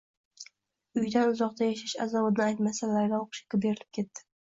Uyidan uzoqda yashash azobini aytmasa Laylo o`qishga berilib ketdi